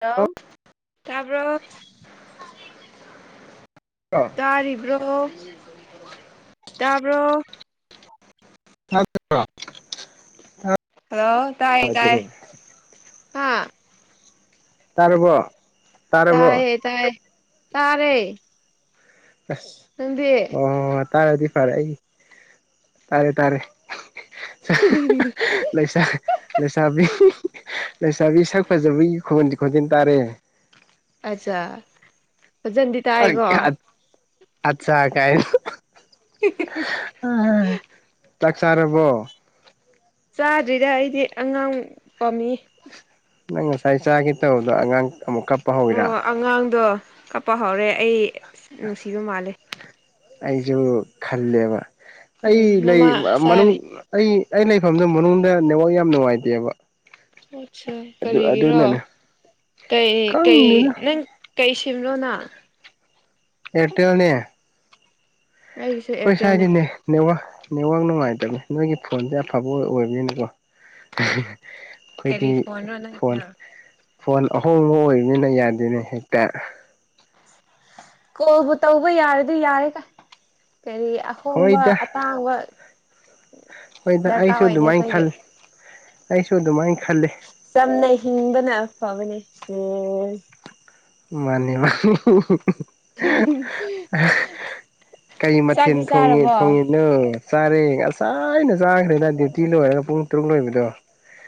Hello ꯇꯥꯕ꯭ꯔꯣ [inaudible] ꯇꯥꯔꯤꯕ꯭ꯔꯣ [inaudible] ꯇꯥꯕꯔꯣ [unintelligible] ꯍꯜꯂꯣ ꯇꯥꯏ ꯇꯥꯏ ꯍꯥꯥ ꯇꯥꯔꯕꯣ ꯇꯥꯔꯕꯣ ꯇꯥꯏꯌꯦ ꯇꯥꯏꯌꯦ ꯇꯥꯔꯦ ꯑꯁ ꯅꯪꯗꯦ ꯑꯣ ꯑꯣꯏ ꯇꯥꯔꯗꯤ ꯐꯔꯦ ꯑꯩ ꯇꯥꯔꯦ ꯇꯥꯔꯦ [inaudible] ꯂꯩꯁꯥ ꯂꯩꯁꯥꯕꯤ ꯂꯩꯁꯥꯕꯤ ꯁꯛ ꯐꯖꯕꯤ ꯈꯣꯟꯗꯤ ꯈꯣꯟꯖꯦꯜ ꯇꯥꯔꯦ꯫ ꯑꯠꯆꯥ ꯐꯖꯟꯗꯤ ꯑꯪ ꯀꯌꯥꯠ ꯑꯠꯆꯥ ꯀꯥꯏꯅ ꯆꯥꯛ ꯆꯥꯔ꯭ꯕꯣ ꯆꯥꯗ꯭ꯔꯤꯗ ꯑꯩꯗꯤ ꯑꯉꯥꯡ ꯄꯥꯝꯃꯤ ꯅꯪ ꯉꯁꯥꯏ ꯆꯥꯒꯦ ꯇꯧꯕꯗꯣ ꯑꯉꯥꯡ ꯑꯃꯨꯛꯀ ꯑꯣ ꯑꯉꯥꯡꯗꯣ ꯀꯞꯄ ꯍꯧꯔꯦ ꯑꯩ ꯅꯨꯡꯁꯤꯕ ꯃꯥꯜꯂꯦ ꯑꯩꯁꯨ ꯈꯜꯂꯦꯕ ꯑꯩ ꯎꯝ ꯂꯩ ꯃꯃꯥ ꯃꯅꯨꯡ ꯆꯥꯔꯤ ꯑꯩ ꯑꯩ ꯂꯩꯐꯝꯗꯨ ꯃꯅꯨꯡꯗ ꯅꯦꯠ ꯋꯥꯛ ꯌꯥꯝ ꯅꯨꯡꯉꯥꯏꯇꯦꯕ ꯑꯠꯆꯥ ꯑꯗꯨ ꯀꯔꯤꯒꯤꯔꯣ ꯑꯗꯨꯅꯅꯦ ꯀꯩ ꯀꯩ ꯈꯪꯗꯦꯗ ꯅꯪ ꯀꯩ ꯁꯤꯝꯔꯣꯅ ꯑꯦꯔꯇꯦꯜꯅꯦ ꯑꯩꯒꯤꯁꯨ ꯑꯦꯌꯥꯔꯇꯦꯜꯅꯦ ꯈꫭꯏꯁꯥꯏꯒꯤꯅꯦ ꯅꯦꯠꯋꯥꯛ ꯅꯦꯠꯋꯥꯛ ꯅꯨꯡꯉꯥꯏꯇꯕꯅꯦ ꯅꯣꯏꯒꯤ ꯐꯣꯟꯁꯦ ꯑꯐꯕ ꯑꯣꯏꯕꯅꯤꯅꯀꯣ ꯀꯔꯤ ꯈꫭꯏꯗꯤ ꯐꯣꯟꯔꯣ ꯐꯣꯟ ꯅꯪꯒꯤꯗꯣ ꯐꯣꯟ ꯑꯍꯣꯡꯕ ꯑꯣꯏꯕꯅꯤꯅ ꯌꯥꯗꯦꯅꯦ ꯍꯦꯛꯇ ꯀꯣꯜꯕꯨ ꯇꯧꯕ ꯌꯥꯔꯗꯤ ꯌꯥꯔꯦꯗ ꯀꯔꯤ ꯑꯍꯣꯡꯕ ꯍꯣꯏꯗ ꯑꯇꯥꯡꯕ ꯍꯣꯏꯗ ꯗꯔꯀꯥꯔ ꯑꯩꯁꯨ ꯑꯣꯏꯗꯦ ꯑꯗꯨꯃꯥꯏꯅ ꯑꯩꯈꯣꯏꯒꯤ ꯈꯜ ꯑꯩꯁꯨ ꯑꯗꯨꯃꯥꯏꯅ ꯈꯜꯂꯦ꯫ ꯆꯝꯅꯥ ꯍꯤꯡꯕꯅ ꯐꯕꯅꯦ ꯁꯦꯁ ꯃꯥꯅꯦ ꯃꯥ ꯀꯩ ꯃꯊꯦꯜ ꯆꯥꯛꯇꯤ ꯊꯣꯡꯉꯤ ꯆꯥꯔꯕꯣ ꯊꯣꯡꯉꯤ ꯅꯧ ꯆꯥꯔꯦ ꯉꯁꯥꯏꯅ ꯆꯥꯈ꯭ꯔꯦꯗ ꯗ꯭ꯌꯨꯇꯤ ꯂꯣꯏꯔꯒ ꯄꯨꯡ ꯇꯔꯨꯛ ꯂꯣꯏꯕꯗꯣ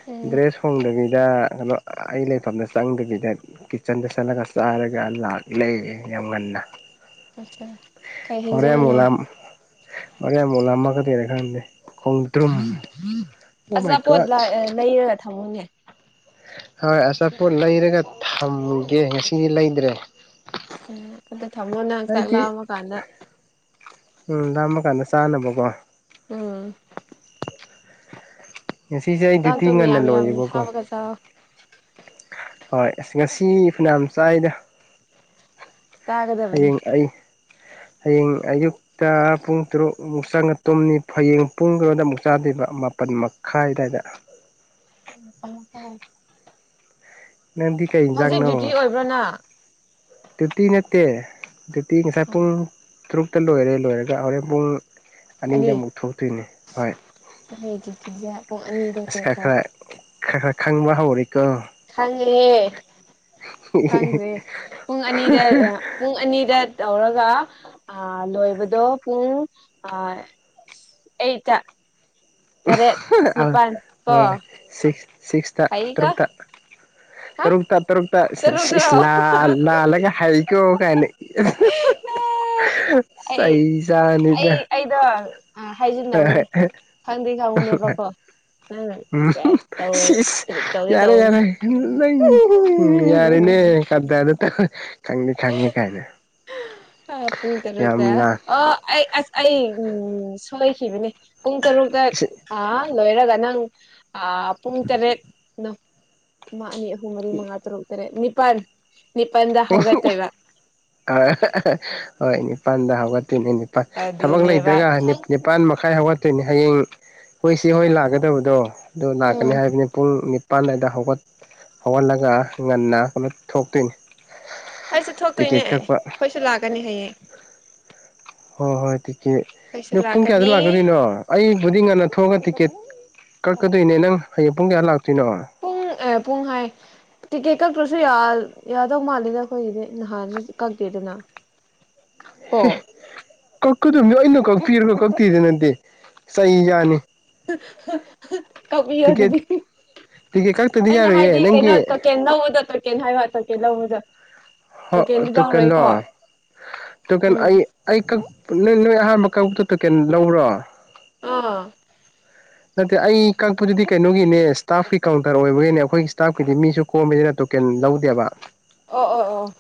ꯎꯝ ꯗ꯭ꯔꯦꯁ ꯍꯣꯡꯗꯕꯤꯗ ꯀꯩꯅꯣ ꯑꯩ ꯂꯩꯐꯝꯗ ꯆꯪꯗꯕꯤꯗ ꯀꯤꯠꯆꯟꯗ ꯆꯠꯂꯒ ꯆꯥꯔꯒ ꯂꯥꯛꯂꯩ ꯌꯥꯝ ꯉꯟꯅꯥ ꯀꯩ ꯍꫭꯔꯦꯟ ꯍꯦꯟꯖꯥꯡꯅꯣ ꯃꯨꯛꯂꯥꯝ ꯍꫭꯔꯦꯟꯃꯨꯛ ꯂꯥꯝꯃꯛꯀꯥꯗꯨꯏꯔꯥ ꯈꯪꯗꯦ ꯈꯣꯡꯗ꯭ꯔꯨꯝ ꯑꯣ ꯃꯥꯏ ꯑꯆꯥꯄꯣꯠ ꯒꯣꯠ ꯂꯥꯏ ꯂꯩꯔꯒ ꯊꯝꯃꯨꯅꯦ꯫ ꯍꯣꯏ ꯑꯆꯥꯄꯣꯠ ꯂꯩꯔꯒ ꯊꯝꯒꯦ ꯉꯁꯤꯗꯤ ꯂꯩꯗ꯭ꯔꯦ꯫ ꯎꯝ ꯑꯗꯣ ꯊꯝꯃꯣ ꯅꯪ ꯆꯥꯛ ꯑꯩꯗꯤ ꯂꯥꯝꯃ ꯀꯥꯟꯗ ꯎꯝ ꯂꯥꯝꯃ ꯀꯥꯟꯗ ꯆꯥꯅꯕꯀꯣ ꯎꯝ꯫ ꯉꯁꯤꯁꯦ ꯑꯩ ꯗꯨꯇꯤ ꯉꯟꯅꯥ ꯂꯣꯏꯌꯦꯕꯀꯣ ꯐꯖ ꯍꯣꯏ ꯑꯁ ꯉꯁꯤ ꯐꯅꯥ ꯌꯥꯝ ꯆꯥꯏꯗ ꯆꯥꯒꯗꯕꯅꯤ ꯍꯌꯦꯡ ꯑꯩ ꯍꯌꯦꯡ ꯑꯌꯨꯛ ꯇ ꯄꯨꯡ ꯇꯔꯨꯛ ꯑꯃꯨꯛ ꯆꯪꯉꯥ ꯇꯨꯝꯅꯤ ꯐꯌꯦꯡ ꯄꯨꯡ ꯀꯩꯅꫭꯗ ꯑꯃꯨꯛ ꯆꯥꯗꯣꯏꯕ ꯃꯥꯄꯜ ꯃꯈꯥꯏ ꯑꯗꯥꯏꯗ [unintelligible] ꯅꯪꯗꯤ ꯀꯩ ꯍꯧꯖꯤꯛ ꯗ꯭ꯌꯨꯇꯤ ꯏꯟꯖꯥꯡꯅꯣ ꯑꯣꯏꯕ꯭ꯔꯥ ꯅ ꯗ꯭ꯌꯨꯇꯤ ꯅꯠꯇꯦ ꯗ꯭ꯌꯨꯇꯤ ꯉꯁꯥꯏ ꯄꯨꯡ ꯇꯔꯨꯛꯇ ꯂꯣꯏꯔꯦ ꯂꯣꯏꯔꯒ ꯍꯣꯔꯦꯟ ꯄꯨꯡ ꯑꯅꯤꯗ ꯑꯅꯤ ꯑꯃꯨꯛ ꯊꯣꯛꯇꯣꯏꯅꯦ ꯍꯣꯏ ꯑꯩ ꯗ꯭ꯌꯨꯇꯤꯁꯦ ꯄꯨꯡ ꯑꯅꯤꯗ ꯑꯁ ꯈꯔ ꯈꯔ ꯂꯣꯏꯀꯣ ꯈꯔ ꯈꯔ ꯈꯪꯕ ꯍꯧꯔꯦꯀꯣ ꯈꯪꯉꯦꯍꯦ ꯈꯪꯈ꯭ꯔꯦ ꯄꯨꯡ ꯑꯅꯤꯗ ꯄꯨꯡ ꯑꯅꯤꯗ ꯇꯧꯔꯒ ꯑ ꯂꯣꯏꯕꯗꯣ ꯄꯨꯡ ꯑ ꯑꯩꯠ ꯇꯔꯦꯠ ꯅꯤꯄꯥꯜ ꯀꯣ ꯍꯣꯏ ꯁꯤꯛꯁ ꯁꯤꯛꯁ ꯑꯩꯒ ꯇꯔꯨꯛꯇ ꯍꯥ ꯇꯔꯨꯛꯇ ꯇꯔꯨꯛꯇ ꯇꯔꯨꯛ ꯇꯔꯣ ꯂꯥꯜꯂꯒ ꯍꯥꯏ ꯀꯣꯒꯅꯦ ꯑꯩ ꯑꯩ ꯁꯩꯁꯥꯅꯤꯗ ꯑꯩꯗꯣ ꯈꯪꯗ ꯈꯥꯎꯉꯅꯦꯦ ꯄꯄ ꯎ ꯎꯝ ꯁꯤꯁ ꯇ ꯇꯦ ꯌꯥꯔꯦ ꯇꯅꯦ ꯌꯥꯔꯦ ꯗꯗ ꯈꯪꯗꯤ ꯈꯥꯡꯉꯦ ꯀꯥꯏꯅ ꯑ ꯄꯨꯡ ꯌꯥꯝ ꯇꯔꯨꯛꯇ ꯂꯥꯟ ꯑꯣ ꯑꯩ ꯑꯁ ꯑꯩ ꯎ ꯁꯣꯏꯈꯤꯕꯅꯦ ꯄꯨꯡ ꯇꯔꯨꯛꯇ ꯑ ꯂꯣꯏꯔꯒ ꯅꯪ ꯄꯨꯡ ꯇꯔꯦꯠ ꯃꯥ ꯑꯅꯤ ꯑꯍꯨꯝ ꯃꯔꯤ ꯃꯉꯥ ꯇꯔꯨꯛ ꯇꯔꯦꯠ ꯅꯤꯄꯥꯜ ꯅꯤꯄꯜꯗ ꯍꯧꯒꯠꯇꯣꯏꯕ ꯑ ꯍꯣꯏ ꯅꯤꯄꯥꯜꯗ ꯍꯧꯒꯠꯇꯣꯏꯅꯦ ꯅꯤꯄꯥꯜ ꯊꯕꯛ ꯑꯗꯨꯅꯦꯕ ꯂꯩꯇꯒ ꯈꯪ ꯅꯤꯄꯥꯥꯟ ꯃꯈꯥꯏ ꯍꯧꯒꯠꯇꯣꯏꯅꯦ ꯍꯌꯦꯡ ꯍꯣꯏ ꯁꯤ ꯍꯣꯏ ꯂꯥꯛꯀꯗꯕꯗꯣ ꯑꯗꯨꯣ ꯎꯝ ꯂꯥꯛꯀꯅꯤ ꯍꯥꯏꯕꯅꯤ ꯄꯨꯡ ꯄꯥꯟꯗꯥꯏꯗ ꯍꯧꯒꯠ ꯍꯧꯒꯠꯂꯒ ꯉꯟꯅ ꯀꯩꯅꯣ ꯊꯣꯛꯇꯣꯏꯅꯤ ꯑꯩꯁ ꯊꯣꯛꯇꯣꯏꯅꯦ ꯇꯤꯀꯦꯠ ꯀꯛꯄ ꯑꯩꯣꯏꯁꯨ ꯂꯥꯛꯀꯅꯤ ꯍꯌꯦꯡ ꯍꯣꯏ ꯍꯣꯏ ꯇꯤꯀꯦꯠ ꯅ ꯑꯩꯈꯣꯏꯁꯨ ꯄꯨꯡ ꯂꯥꯛꯀꯅꯤ ꯀꯌꯥꯗ ꯂꯥꯛꯀꯣꯏꯅꯣ ꯑꯩꯕꯨꯗꯤ ꯉꯟꯅ ꯊꯣꯛꯑꯒ ꯇꯤꯛꯀꯦꯠ ꯀꯛꯀꯗꯣꯏꯅꯦ ꯅꯪ ꯍꯌꯦꯡ ꯄꯨꯡ ꯀꯌꯥ ꯂꯥꯛꯇꯣꯏꯅꯣ ꯄꯨꯡ ꯄꯨꯡ ꯍꯥꯏ ꯇꯤꯛꯀꯦꯠ ꯀꯛꯇ꯭ꯔꯁꯨ ꯌꯥꯗꯧ ꯃꯥꯜꯂꯦꯗ ꯑꯩꯈꯣꯏꯒꯤꯗꯤ ꯅꯍꯥꯟꯁꯨ ꯀꯛꯀꯦꯗꯅ [inaudible] ꯀꯛꯀꯗꯣꯃꯤꯅ ꯀꯛꯄꯤꯔꯀꯣ ꯀꯛꯄꯤꯤꯗ ꯅꯠꯇꯦ ꯆꯍꯤ ꯌꯥꯅꯤ ꯀꯄꯤ ꯍꯧ ꯇꯤꯀꯦꯠ ꯑꯗꯨꯗꯤ ꯇꯤꯀꯦꯠ ꯀꯛꯇꯗꯤ ꯑꯩꯅ ꯌꯥꯔꯣꯏꯌꯦ ꯍꯥꯏꯗꯤ ꯀꯩꯅꯣ ꯅꯪꯒꯤ ꯇꯀꯦꯟ ꯂꯧꯎꯗꯣ ꯇꯣꯀꯦꯟ ꯍꯥꯏꯌ ꯇꯣꯀꯦ ꯂꯧꯎꯗ ꯍ ꯇ ꯀꯩꯅꯂꯣ ꯇ ꯀꯩꯅꯣ ꯑꯩ ꯎꯝ ꯑꯩ ꯅ ꯅꯣꯏ ꯑꯍꯥꯟꯕ ꯀꯛꯇ ꯇꯣꯀꯦꯟ ꯂꯧꯔꯣ ꯑꯥ ꯅꯠꯇꯦ ꯑꯩ ꯀꯛꯄꯗꯨꯗꯤ ꯀꯩꯅꯣꯒꯤꯅꯦ ꯏꯁ꯭ꯇꯥꯐꯀꯤ ꯀꯥꯎꯟꯇꯔ ꯑꯣꯏꯕꯒꯤꯅꯦ ꯑꯩꯈꯣꯏꯒꯤ ꯁ꯭ꯇꯥꯐꯀꯤꯗꯤ ꯃꯤꯁꯨ ꯀꯣꯝꯃꯤꯅꯤꯅ ꯇꯣꯀꯦꯟ ꯂꯧꯗꯦꯕ ꯑꯣ ꯑꯣ ꯑꯣ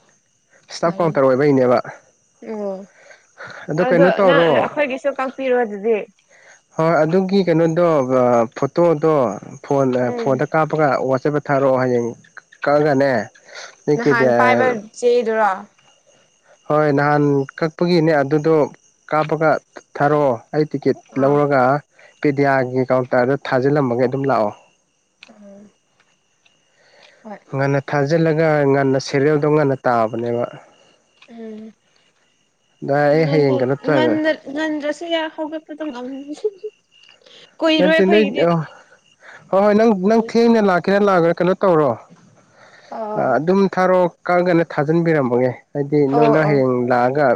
ꯏꯁ꯭ꯇꯥꯞ ꯀꯥꯎꯟꯇꯔ ꯑꯣꯏꯕꯒꯤꯅꯦꯕ ꯎ ꯑꯗꯣ ꯅꯪ ꯇꯧꯔꯣ ꯑꯩꯈꯣꯏꯒꯤꯁꯨ ꯀꯥꯛꯄꯤꯔꯣ ꯑꯗꯨꯗꯤ ꯍꯣꯏ ꯑꯗꯨꯒꯤ ꯀꯩꯅꯣꯗꯣ ꯐꯣꯇꯣꯗꯣ ꯐꯣꯟ ꯎꯝ ꯐꯣꯟꯗ ꯀꯥꯞꯄꯒ ꯋꯥꯠꯆꯄ ꯊꯥꯔꯛꯑꯣ ꯍꯌꯦꯡ ꯀꯛꯑꯒꯅꯦ ꯅꯤꯛꯀꯤꯗꯤ ꯅꯍꯥꯟ ꯄꯥꯏꯕ ꯆꯦꯗꯨꯔꯣ ꯍꯣꯏ ꯅꯍꯥꯟ ꯀꯛꯄꯒꯤꯅꯦ ꯑꯗꯨꯗꯣ ꯀꯥꯞꯄꯒ ꯊꯥꯔꯛꯑꯣ ꯑꯩ ꯇꯤꯀꯦꯠ ꯑꯥ ꯂꯧꯔꯒ ꯄꯦꯗꯤꯌꯥꯒꯤ ꯀꯥꯎꯟꯇꯔꯗ ꯊꯥꯖꯤꯜꯂꯝꯃꯒꯦ ꯑꯗꯨꯝ ꯂꯥꯛꯑꯣ ꯎꯝ ꯍꯣꯏ ꯉꯟꯅ ꯊꯥꯖꯤꯜꯂꯒ ꯉꯟꯅ ꯁꯦꯔꯤꯦꯜꯗꯣ ꯉꯟꯅ ꯇꯥꯕꯅꯦꯕ ꯎꯝ ꯏ ꯑꯩ ꯉꯟꯅ ꯍꯌꯦꯡꯒ ꯅꯠꯇ꯭ꯔꯅꯦ ꯉꯟꯅ ꯉꯟꯗ꯭ꯔꯁꯨ ꯌꯥ ꯍꯧꯒꯠꯄꯗ ꯅꯠꯇꯦ ꯅꯣꯏ ꯍꯣꯏ ꯍꯣꯏ ꯅꯪ ꯅꯪ ꯊꯦꯡꯅ ꯂꯥꯛꯀꯦꯔꯥ ꯂꯥꯛꯑꯦꯔꯥ ꯀꯩꯅꯣ ꯇꯧꯔꯣ ꯑꯥ ꯑꯗꯨꯝ ꯊꯥꯔꯛ ꯀꯛꯒꯅ ꯊꯥꯖꯤꯟꯕꯤꯔꯃꯒꯦ ꯍꯥꯏꯗꯤ ꯑꯣ ꯅꯪꯅ ꯑꯣ ꯍꯌꯦꯡ ꯂꯥꯛꯑꯒ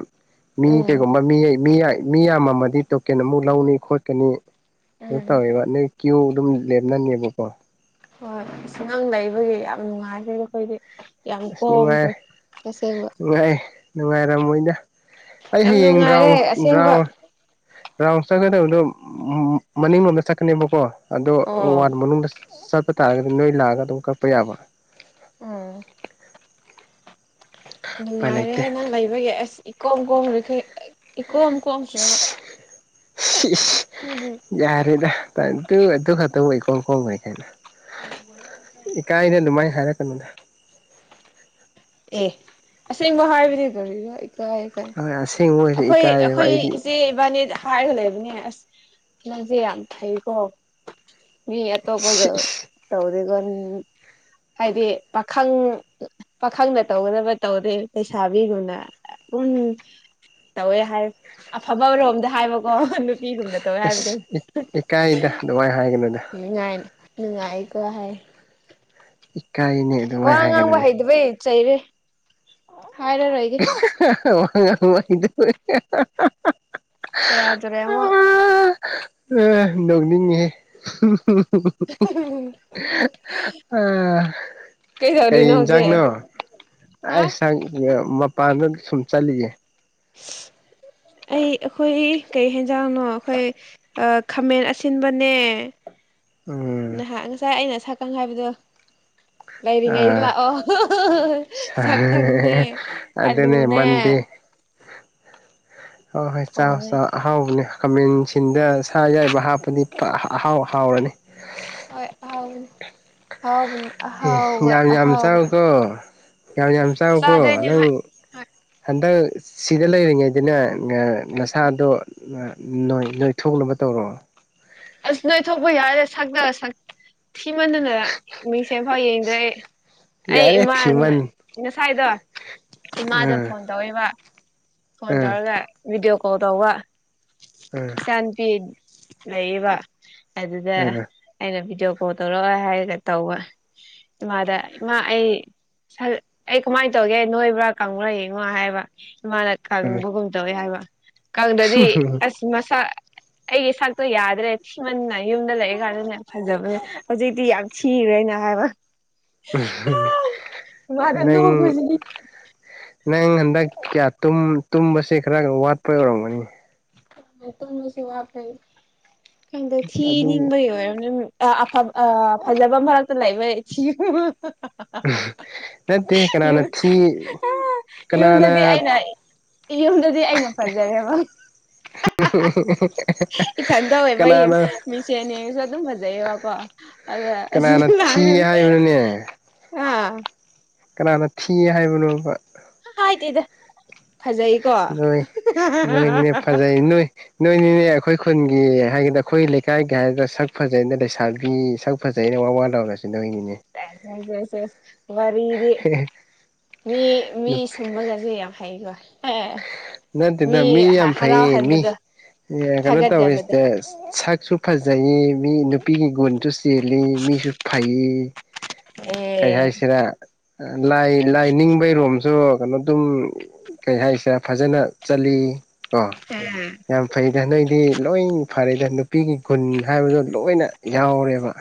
ꯃꯤ ꯎꯝ ꯀꯩꯒꯨꯝꯕ ꯃꯤ ꯃꯤ ꯌꯥꯏ ꯃꯤ ꯌꯥꯝꯃꯝꯃꯥꯗꯤ ꯇꯣꯀꯦꯟ ꯑꯃꯨꯛ ꯂꯧꯅꯤ ꯈꯣꯠꯀꯥꯅꯤ ꯑꯗꯨ ꯎꯝ ꯇꯧꯋꯦꯕ ꯅꯣꯏ ꯀ꯭ꯌꯨ ꯑꯗꯨꯝ ꯂꯦꯞꯅꯅꯦꯕꯀꯣ ꯍꯣꯏ ꯑꯁ ꯅꯪ ꯂꯩꯕꯒꯤ ꯌꯥꯝ ꯅꯨꯡꯉꯥꯏꯖꯔꯦ ꯑꯈꯣꯏꯗꯤ ꯌꯥꯝ ꯑꯁ ꯅꯨꯡꯉꯥꯏ ꯀꯣꯝꯈ꯭ꯔꯦ ꯇꯥꯁꯦꯡꯅ ꯅꯨꯡꯉꯥꯏ ꯅꯨꯡꯉꯥꯏꯔꯝꯃꯣꯏꯗ ꯑꯩ ꯌꯥꯝ ꯍꯌꯦꯡ ꯅꯨꯡꯉꯥꯏꯔꯦ ꯔꯥꯎꯟ ꯑꯁꯦꯡꯕ ꯔꯥꯎꯟ ꯔꯥꯎꯟ ꯆꯠꯀꯥꯗꯕꯗꯣ ꯃꯅꯤꯡ ꯂꯣꯝꯗ ꯆꯠꯀꯥꯅꯦꯕꯀꯣ ꯑꯗꯣ ꯑꯣ ꯋꯥꯠ ꯃꯅꯨꯡꯗ ꯆꯠꯄ ꯇꯥꯔꯒꯗꯤ ꯅꯣꯏ ꯂꯥꯛꯑꯒ ꯑꯗꯨꯝ ꯀꯛꯄ ꯌꯥꯕ ꯎꯝ ꯎꯄꯥꯏ ꯂꯩꯇꯦ ꯅꯨꯡꯉꯥꯏꯔꯦꯍꯦ ꯅꯪ ꯂꯩꯕꯒꯤ ꯑꯁ ꯏꯀꯣꯝ ꯀꯣꯝꯔꯤꯈꯩ ꯏꯀꯣꯝ ꯀꯣꯝꯈ꯭ꯔꯦꯕ ꯌꯔꯦꯗꯥ ꯇꯠꯇꯨ ꯑꯇꯨ ꯈꯛꯇꯕꯨ ꯏꯀꯣꯝ ꯀꯣꯝꯈ꯭ꯔꯦ ꯀꯥꯏꯅꯥ ꯏꯀꯥꯏꯗ ꯑꯗꯨꯃꯥꯏꯅ ꯍꯥꯏꯔꯛꯀꯥꯅꯨꯗ ꯑꯦ ꯑꯁꯦꯡꯕ ꯍꯥꯏꯕꯅꯤ ꯀꯔꯤꯔꯣ ꯏꯀꯥꯏ ꯍꯣꯏ ꯑꯁꯦꯡꯕ ꯑꯣꯏꯔꯁꯨ ꯑꯈꯣꯏ ꯏꯀꯥꯏꯌꯦꯕ ꯑꯈꯣꯏ ꯑꯩꯗꯤ ꯏꯆꯦ ꯏꯕꯥꯅꯤꯗ ꯍꯥꯏꯔꯒ ꯂꯩꯕꯅꯦ ꯑꯁ ꯅꯪꯁꯦ ꯌꯥꯝ ꯐꯩꯀꯣ ꯃꯤ ꯑꯇꯣꯞꯄꯒ ꯁꯤꯁ ꯇꯧꯗꯦꯒꯣ ꯍꯥꯏꯗꯤ ꯄꯥꯈꯪ ꯄꯥꯈꯪꯅ ꯇꯧꯒꯗꯕ ꯇꯧꯗꯦ ꯂꯩꯩꯁꯥꯕꯤꯒꯣꯏꯅ ꯎꯝ ꯇꯧꯋꯦ ꯍꯥꯏ ꯑꯐꯕꯔꯣꯝꯗ ꯍꯥꯏꯕꯀꯣ ꯅꯨꯄꯤꯔꯨꯝꯅ ꯇꯧꯋꯦ ꯍꯥꯏꯕꯗꯣ ꯑꯗꯨꯃꯥꯏ ꯍꯥꯏꯒꯅꯨꯗ ꯅꯨꯡꯉꯥꯏ ꯅꯨꯡꯉꯥꯏꯀꯣ ꯍꯥꯏ ꯏꯀꯥꯏꯅꯦ ꯋꯥ ꯑꯗꯨꯃꯥꯏꯅ ꯉꯥꯡꯕ ꯍꯥꯏꯒꯅꯨꯅꯦ ꯍꯩꯗꯕꯩ ꯆꯩꯔꯦ ꯍꯥꯏꯔꯔꯣꯏ ꯋꯥ ꯉꯥꯡꯕ ꯍꯩꯇꯕꯩ ꯁꯦꯔꯥꯟ ꯇꯨꯔꯥ ꯃꯨꯛ ꯑꯥ ꯅꯣꯛꯅꯤꯡꯉꯦꯍꯦ [unintelligible] ꯑꯥ ꯀꯔꯤ ꯀꯩꯗꯧꯔꯤꯅꯣ ꯍꯧꯖꯤꯛ ꯏꯟꯖꯥꯡꯅꯣ ꯍꯥ ꯑꯩ ꯁꯪ ꯃꯄꯥꯟꯗ ꯁꯨꯝ ꯆꯠꯂꯤꯌꯦ ꯑꯩ ꯑꯈꯣꯏꯒꯤ ꯀꯩ ꯍꯦꯟꯖꯥꯡꯅꯣ ꯑꯈꯣꯏ ꯑ ꯈꯥꯃꯦꯟ ꯑꯁꯤꯟꯕꯅꯦ ꯎꯝ ꯅꯍꯥꯛ ꯉꯁꯥꯏ ꯑꯩꯅ ꯁꯛꯀꯪ ꯍꯥꯏꯕꯗꯣ ꯂꯩꯔꯤꯉꯩꯗ ꯑꯥ ꯂꯥꯛꯑꯣ ꯁꯛꯈꯪꯅꯦ ꯑꯂꯨꯅꯦ ꯍꯣ ꯍꯣꯏ ꯆꯥꯎ ꯊꯣꯡꯉꯦ ꯆꯥꯎ ꯑꯍꯥꯎꯕꯅꯦ ꯈꯥꯃꯦꯟꯁꯤꯟꯗ ꯁꯥ ꯌꯥꯏꯕ ꯍꯥꯞꯄꯗꯤ ꯐꯥ ꯑꯍꯥꯎ ꯍꯥꯎꯔꯅꯤ ꯍꯣꯏ ꯑꯍꯥꯎꯕꯅꯦ ꯑꯦ ꯌꯥꯝ ꯌꯥꯝ ꯑꯍꯥꯎꯕꯅꯤ ꯆꯥꯎꯀꯣ ꯌꯥꯝ ꯌꯥꯝ ꯆꯥꯎꯀꯣ ꯆꯥꯗꯣꯏꯅꯦ ꯅꯪ ꯍꯣꯏ ꯍꯣꯏ ꯍꯟꯗꯛ ꯁꯤꯗ ꯂꯩꯔꯤꯉꯩꯗꯅꯦ ꯎꯝ ꯅꯁꯥꯗꯣ ꯅ ꯅꯣꯏ ꯅꯣꯏ ꯊꯣꯛꯅꯕ ꯇꯧꯔꯣ ꯑꯁ ꯅꯣꯏ ꯊꯣꯛꯄ ꯌꯥꯏꯗꯦ ꯁꯛꯇꯥ ꯁꯛ ꯊꯤꯃꯟꯗꯅ ꯃꯤꯡꯁꯦꯟꯐꯥꯎ ꯌꯦꯡꯗ꯭ꯔꯦ ꯑꯩ ꯑꯩ ꯌꯥꯔꯦ ꯏꯃꯥꯅ ꯊꯤꯃꯟ ꯉꯁꯥꯏꯗꯣ ꯏꯃꯥꯗ ꯎꯝ ꯐꯣꯟ ꯇꯧꯋꯦꯕ ꯐꯣꯟ ꯎꯝ ꯇꯧꯔꯒ ꯚꯤꯗꯤꯑꯣ ꯀꯣꯜ ꯇꯧꯕ ꯏꯆꯥꯅꯨꯄꯤ ꯂꯩꯌꯦꯕ ꯑꯗꯨꯗ ꯎꯝ ꯑꯩꯅ ꯚꯤꯗꯤꯑꯣ ꯀꯣꯜ ꯇꯧꯔꯛꯑꯣ ꯍꯥꯏꯔꯒ ꯇꯧꯕ ꯏꯃꯥꯗ ꯏꯃꯥ ꯑꯩ ꯑꯩ ꯀꯃꯥꯏ ꯇꯧꯒꯦ ꯅꯣꯏꯕ꯭ꯔꯥ ꯀꯪꯕ꯭ꯔꯥ ꯌꯦꯡꯉꯣ ꯍꯥꯏꯕ ꯏꯃꯥꯅ ꯎꯝ ꯀꯪꯕꯒꯨꯝ ꯇꯧꯋꯦ ꯍꯥꯏꯕ ꯀꯪꯗꯗꯤ ꯎꯝ ꯑꯁ ꯃꯁꯥ ꯑꯩꯒꯤ ꯁꯛꯇꯣ ꯌꯥꯗ꯭ꯔꯦ ꯊꯤꯃꯟꯅ ꯌꯨꯝꯗ ꯂꯩꯔꯤꯀꯥꯟꯗꯅꯦ ꯐꯖꯕꯅꯦ ꯍꯧꯖꯤꯛꯇꯤ ꯌꯥꯝ ꯊꯤꯒ꯭ꯔꯦꯅ ꯍꯥꯏꯕ ꯏꯃꯥꯗ ꯅꯪ ꯅꯣꯛꯄꯁꯤꯗꯤ ꯅꯪ ꯍꯟꯗꯛ ꯀꯌꯥ ꯇꯨꯝ ꯇꯨꯝꯕꯁꯦ ꯈꯔ ꯋꯥꯠꯄ ꯑꯣꯏꯔꯝꯒꯅꯤ ꯇꯨꯝꯕꯁꯄ ꯋꯥꯞꯄꯩ ꯈꯪꯗꯦ ꯑꯗꯨ ꯊꯤꯅꯤꯡꯕꯩ ꯑꯣꯏꯔꯝꯅꯤ ꯑꯥ ꯑꯐꯥꯕ ꯑꯥ ꯐꯥꯖꯕ ꯃꯔꯛꯇꯥ ꯂꯩꯕꯩ ꯊꯤꯕ ꯅꯠꯇꯦ ꯀꯅꯥꯅ ꯊꯤ ꯀꯅꯥꯅ ꯌꯨꯝꯗꯗꯤ ꯑꯩꯅꯥ ꯌꯨꯝꯗꯗꯤ ꯑꯩꯅ ꯐꯖꯔꯦꯕ [unintelligible] ꯏꯊꯟꯇ ꯑꯣꯏꯕꯩ ꯀꯅꯥꯅ ꯃꯤꯡꯁꯦꯟ ꯌꯦꯡꯉꯁꯧ ꯑꯗꯨꯝ ꯐꯥꯖꯩꯌꯦꯕꯀꯣ ꯑꯗꯥ ꯀꯅꯥꯅ ꯊꯤ ꯍꯥꯏꯕꯅꯣꯅꯦ [unintelligible] ꯀꯅꯥꯅ ꯊꯤꯏ ꯍꯥꯏꯕꯅꯣꯕ ꯍꯥꯏꯗꯦꯗ ꯐꯖꯩꯀꯣ ꯅꯣꯏ ꯁꯦꯁ ꯅꯣꯏꯅꯤꯅꯦ ꯐꯖꯩ ꯅꯣꯏ ꯅꯣꯏꯅꯤꯅꯦ ꯑꯩꯈꯣꯏ ꯈꯨꯟꯒꯤ ꯍꯥꯏꯒꯗ ꯑꯩꯈꯣꯏ ꯂꯩꯀꯥꯏꯒꯤ ꯍꯥꯏꯒꯗꯔ ꯁꯛ ꯐꯖꯩꯅ ꯂꯩꯁꯥꯕꯤ ꯁꯛ ꯐꯥꯖꯩꯅ ꯋꯥ ꯋꯥ ꯂꯥꯎꯔꯤꯁꯦ ꯅꯣꯏꯅꯤꯅꯦ ꯁꯦꯁ ꯁꯦꯁ ꯁꯦꯁ ꯋꯥꯔꯤꯗꯤ ꯃꯤ ꯃꯤ ꯁꯨꯝꯕꯒꯁꯦ ꯌꯥꯝ ꯍꯩꯒꯣ ꯑꯦ ꯅꯠꯇꯦꯗ ꯃꯤ ꯌꯥꯝ ꯐꯩꯌꯦ ꯃꯤ ꯍꯔꯥꯎꯍꯟꯕꯗꯣ ꯀꯩꯅꯣ ꯊꯥꯒꯠꯆꯕꯗꯣ ꯇꯧꯋꯤꯁꯤꯗ ꯁꯛꯁꯨ ꯐꯥꯖꯩꯌꯦ ꯃꯤ ꯅꯨꯄꯤꯒꯤ ꯒꯨꯟꯁꯨ ꯆꯦꯜꯂꯤ ꯃꯤꯁꯨ ꯐꯩꯌꯤ ꯀꯩ ꯑꯦ ꯍꯥꯏꯁꯤꯔ ꯂꯥꯏ ꯂꯥꯏ ꯅꯤꯡꯕꯩꯔꯣꯝꯁꯨ ꯀꯩꯅꯣ ꯑꯗꯨꯝ ꯀꯩ ꯍꯥꯏꯁꯤꯔꯥ ꯐꯥꯖꯅ ꯆꯠꯂꯤ ꯀꯣ ꯌꯥꯝ ꯐꯩꯗ ꯅꯣꯏꯗꯤ ꯂꯣꯏ ꯐꯔꯦꯗ ꯅꯨꯄꯤꯒꯤ ꯒꯨꯟ ꯍꯥꯏꯕꯗꯣ ꯂꯣꯏꯅ ꯌꯥꯎꯔꯦꯕ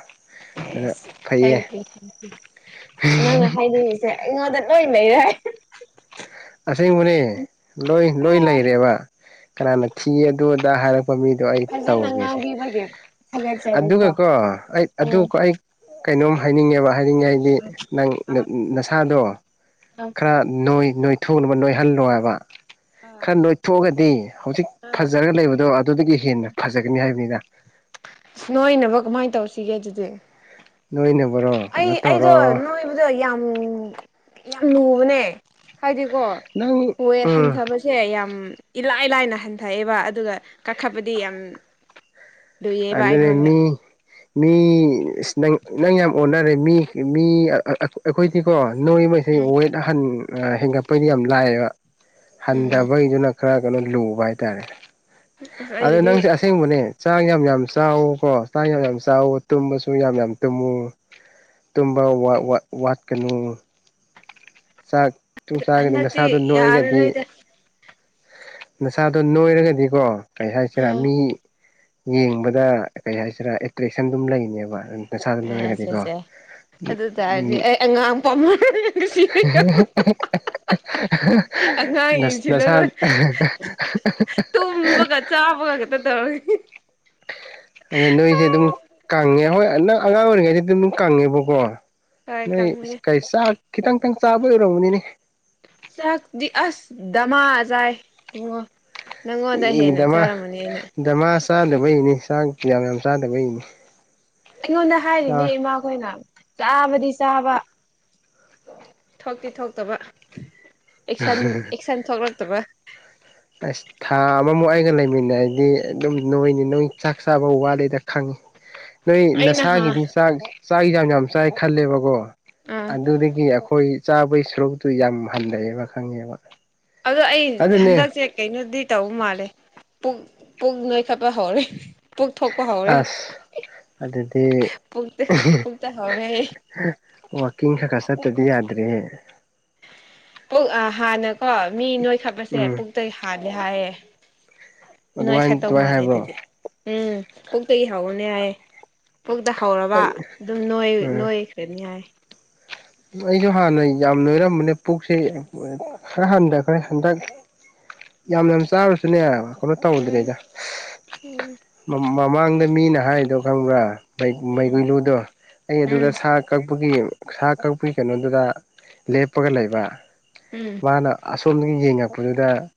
ꯑꯗꯨꯅ ꯌꯦꯁ ꯐꯩꯌꯦ ꯊꯦꯡꯀ꯭ꯌꯨ ꯊꯦꯡꯀ꯭ꯌꯨ ꯅꯪꯅ ꯍꯥꯏꯗꯤ ꯑꯩꯉꯣꯟꯗ ꯂꯣꯏ ꯂꯩꯔꯦ ꯑꯁꯦꯡꯕꯅꯦ ꯂꯣꯏ ꯂꯣꯏ ꯂꯩꯔꯦꯕ ꯀꯅꯥꯅ ꯊꯤꯌꯦ ꯑꯗꯨ ꯑꯗꯥ ꯍꯥꯏ ꯃꯤꯗꯣ ꯑꯩ ꯐꯖꯅ ꯇꯧꯒꯦꯁꯦ ꯉꯥꯡꯕꯤꯕꯒꯤ ꯊꯥꯒꯠꯆꯔꯤꯀꯣ ꯑꯗꯨꯒꯀꯣ ꯑꯩ ꯑꯗꯨ ꯎꯝ ꯑꯩ ꯀꯩꯅꯣꯝ ꯍꯥꯏꯅꯤꯡꯉꯦꯕ ꯍꯥꯏꯅꯤꯡꯉꯦ ꯍꯥꯏꯗꯤ ꯅꯪ ꯅꯁꯥꯗꯣ ꯑꯥ ꯈꯔ ꯅꯣꯏ ꯅꯣꯏꯊꯣꯛꯅꯕ ꯅꯣꯏꯍꯜꯂꯣ ꯍꯥꯏꯕ ꯈꯔ ꯅꯣꯏꯊꯣꯛꯑꯒꯗꯤ ꯍꯧꯖꯤꯛ ꯐꯥꯖꯔꯒ ꯂꯩꯕꯗꯣ ꯑꯗꯨꯗꯒꯤ ꯍꯦꯟꯅ ꯐꯥꯖꯒꯅꯤ ꯍꯥꯏꯕꯅꯤꯗ ꯅꯣꯏꯅꯕ ꯀꯃꯥꯏꯅ ꯇꯧꯁꯤꯒꯦ ꯑꯗꯨꯗꯤ ꯅꯣꯏꯅꯕꯔꯣ ꯑꯩ ꯀꯩꯅꯣ ꯑꯩꯗꯣ ꯇꯧꯔꯣ ꯅꯣꯏ ꯑꯗꯨꯗꯣ ꯌꯥꯝ ꯌꯥꯝ ꯂꯨꯕꯅꯦ ꯍꯥꯏꯗꯤꯀꯣ ꯅꯪ ꯋꯦꯠ ꯎꯝ ꯍꯟꯊꯕꯁꯦ ꯁꯦ ꯌꯥꯝ ꯏꯂꯥꯏ ꯂꯥꯏꯅ ꯍꯟꯊꯛꯌꯦꯕ ꯑꯗꯨꯒ ꯀꯥꯈꯠꯄꯗꯤ ꯌꯥꯝ ꯂꯨꯏꯌꯦꯕ ꯑꯗꯨꯗꯤ ꯑꯩꯉꯣꯟꯗ ꯃꯤ ꯃꯤ ꯏꯁ ꯅꯪ ꯅꯪ ꯌꯥꯝ ꯑꯣꯟꯅꯔꯦ ꯃꯤ ꯑꯩꯈꯣꯏꯗꯤꯀꯣ ꯅꯣꯏ ꯃꯩꯁꯦ ꯎꯝ ꯋꯦꯠ ꯑꯍꯟ ꯍꯦꯟꯒꯠꯄꯩꯗꯤ ꯌꯥꯝ ꯂꯥꯛꯌꯦꯕ ꯎꯝ ꯍꯟꯊꯕꯒꯤꯗꯨꯅ ꯈꯔ ꯀꯩꯅꯣ ꯂꯨꯕ ꯍꯥꯏꯇꯥꯔꯦ ꯑꯁ ꯑꯗꯣ ꯑꯩꯒꯤꯗꯤ ꯅꯪꯁꯦ ꯑꯁ ꯑꯁꯦꯡꯕꯅꯦ ꯆꯥꯛ ꯌꯥꯝ ꯌꯥꯝ ꯆꯥꯎ ꯀꯣ ꯆꯥꯛ ꯌꯥꯝ ꯌꯥꯝ ꯆꯥꯎ ꯇꯨꯝꯕꯁꯨ ꯌꯥꯝ ꯌꯥꯝ ꯇꯨꯝꯃꯨ ꯇꯨꯝꯕ ꯋꯥꯠꯀꯅꯨ ꯆꯥꯛꯇꯨ ꯆꯥꯒꯗꯤ ꯍꯟꯗꯛꯇꯤ ꯅꯁꯥꯗꯣ ꯅꯣꯏꯔꯗꯤ ꯌꯥꯔꯔꯣꯏꯗ ꯅꯁꯥꯗꯣ ꯅꯣꯏꯔꯒꯗꯤꯀꯣ ꯀꯔꯤ ꯍꯥꯏꯁꯤꯔꯥ ꯎꯝ ꯃꯤ ꯌꯦꯡꯕꯗ ꯀꯩ ꯍꯥꯏꯁꯤꯔꯥ ꯑꯦꯇ꯭ꯔꯦꯛꯁꯟ ꯑꯗꯨꯝ ꯂꯩꯅꯦꯕ ꯑꯗꯨ ꯅꯁꯥꯗꯨ ꯑꯦ ꯁꯦ ꯅꯣꯏꯔꯒꯗꯤꯀꯣ ꯁꯦ ꯑꯗꯨ ꯇꯔꯗꯤ ꯑꯩ ꯑꯉꯥꯡ ꯄꯥꯝꯃ ꯁꯤ ꯑꯉꯥꯡ ꯅꯁꯥ ꯌꯦꯡꯁꯤꯜꯂꯔꯣꯏ ꯇꯨꯝꯕꯒ ꯆꯥꯕꯒ ꯈꯛꯇ ꯇꯧꯔꯒꯦ ꯑꯗ ꯅꯣꯏꯁꯦ ꯑꯗꯨꯝ ꯀꯪꯉꯦ ꯍꯣꯏ ꯑꯉꯥꯡ ꯑꯣꯏꯔꯤꯉꯩ ꯑꯗꯨ ꯑꯗꯨꯝ ꯀꯪꯉꯦꯕꯀꯣ ꯍꯣꯏ ꯅꯣꯏ ꯀꯪꯕꯅꯦ ꯀ ꯆꯥꯛ ꯈꯤꯇꯪ ꯈꯤꯇꯪ ꯆꯥꯕ ꯑꯣꯏꯔꯝꯃꯅꯤꯅꯦ ꯆꯥꯛꯇꯤ ꯑꯁ ꯗꯃꯥ ꯆꯥ ꯏꯕꯨꯡꯉꯣ ꯅꯪꯉꯣꯟꯗ ꯑꯦ ꯍꯦꯟꯅ ꯗꯃꯥ ꯆꯥꯔꯝꯃꯅꯤ ꯑꯩꯅ ꯗꯃꯥ ꯆꯥꯗꯕꯩꯅꯤ ꯆꯥꯛ ꯌꯥꯝ ꯌꯥꯝ ꯆꯥꯗꯕꯩꯅꯤ ꯑꯩꯉꯣꯟꯗ ꯍꯥꯏꯔꯤꯅꯦ ꯆꯥꯛ ꯏꯃꯥꯈꯣꯏꯅ ꯆꯥꯕꯗꯤ ꯆꯥꯕ ꯊꯣꯛꯇꯤ ꯊꯣꯛꯇꯕ ꯑꯦꯛꯁꯟ ꯑꯦꯛꯁꯟ ꯊꯣꯛꯂꯛꯇꯕ ꯑꯁ ꯊꯥ ꯑꯃꯃꯨꯛ ꯑꯩꯒ ꯂꯩꯃꯤꯟꯅꯔꯗꯤ ꯑꯗꯨꯝ ꯅꯣꯏꯅꯤ ꯅꯣꯏ ꯆꯥꯛ ꯆꯥꯕ ꯋꯥꯠꯂꯤꯗ ꯈꯪꯉꯤ ꯅꯣꯏ ꯑꯩꯅ ꯍꯥ ꯅꯁꯥꯒꯤꯗꯤ ꯆꯥꯛ ꯆꯥꯛ ꯌꯥꯝ ꯆꯥꯏ ꯈꯜꯂꯦꯕꯀꯣ ꯑꯥ ꯑꯗꯨꯗꯒꯤ ꯑꯩꯈꯣꯏ ꯆꯥꯕꯒꯤ ꯁꯔꯨꯛꯇꯨ ꯌꯥꯝ ꯍꯟꯊꯩꯑꯦꯕ ꯈꯪꯉꯦꯕ ꯑꯗꯣ ꯑꯩ ꯑꯗꯨꯅꯦ ꯍꯟꯗꯛꯁꯦ ꯀꯩꯅꯣꯗꯤ ꯇꯧꯕ ꯃꯥꯜꯂꯦ ꯄꯨꯛ ꯄꯨꯛ ꯅꯣꯏꯈꯠꯄ ꯍꯧꯔꯦ ꯄꯨꯛꯊꯣꯛꯄ ꯍꯧꯔꯦ ꯑꯁ ꯑꯗꯨꯗꯤ ꯄꯨꯛꯇ ꯍꯧꯔꯦ ꯑꯩ ꯋꯥꯛꯀꯤꯡ ꯈꯔ ꯈꯔ ꯆꯠꯇꯗꯤ ꯌꯥꯗ꯭ꯔꯦ ꯄꯨꯛ ꯍꯥꯟꯅꯀꯣ ꯃꯤ ꯅꯣꯏꯈꯠꯄꯁꯦ ꯎꯝ ꯄꯨꯛꯇꯒꯤ ꯍꯥꯟꯂꯦ ꯍꯥꯏꯌꯦ ꯅꯣꯏ ꯑꯗꯨꯃꯥꯏ ꯈꯠꯇꯧ ꯑꯗꯨꯃꯥꯏꯅ ꯃꯥꯜꯂꯦ ꯍꯥꯏꯕ꯭ꯔꯣ ꯑꯗꯨꯗꯤ ꯎꯝ ꯄꯨꯛꯇꯒꯤ ꯍꯧꯕꯅꯤ ꯍꯥꯏꯌꯦ ꯄꯨꯛꯇ ꯍꯧꯔꯕ ꯑꯩ ꯑꯗꯨꯝ ꯅꯣꯏ ꯅꯣꯏ ꯅꯣꯏꯈꯔꯥꯅꯤ ꯍꯥꯏꯌꯦ ꯑꯩꯁꯨ ꯍꯥꯟꯅ ꯌꯥꯝ ꯅꯣꯏꯔꯝꯕꯅꯦ ꯄꯨꯛꯁꯦ ꯈꯔ ꯍꯟꯗꯛ ꯈꯔ ꯍꯟꯗꯛ ꯌꯥꯝꯅ ꯆꯥꯔꯁꯨꯅꯦ ꯍꯥꯏꯕ ꯀꯩꯅꯣ ꯎꯝ ꯇꯧꯗ꯭ꯔꯦꯗ ꯎꯝ ꯃꯃꯥꯡꯗ ꯃꯤꯅ ꯍꯥꯏꯗꯣ ꯈꯪꯕ꯭ꯔꯥ ꯎꯝ ꯃꯩꯒꯨꯂꯨꯗꯣ ꯑꯩ ꯎꯝ ꯑꯗꯨꯗ ꯁꯥ ꯀꯛꯄꯒꯤ ꯁꯥ ꯀ ꯑꯩꯈꯣꯏ ꯀꯩꯅꯣꯗꯨꯗ ꯂꯦꯞꯄꯒ ꯂꯩꯕ ꯎꯝ ꯃꯥꯅ ꯑ ꯁꯣꯝꯗꯒꯤ ꯌꯦꯡꯉꯛꯄꯗꯨꯗ